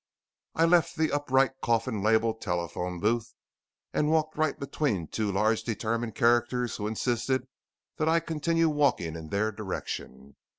"I left the upright coffin labelled 'Telephone Booth' and walked right between two large determined characters who insisted that I continue walking in their direction.